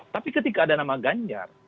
tapi ketika ada nama ganjar